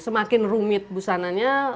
semakin rumit busananya